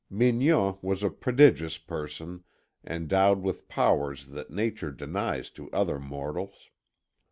Mignon was a prodigious person endowed with powers that Nature denies to other mortals.